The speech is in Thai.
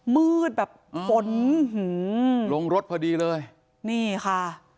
มืดแบบฝนหือลงรถพอดีเลยนี่ค่ะ